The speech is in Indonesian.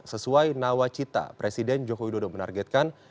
sesuai nawacita presiden joko widodo menargetkan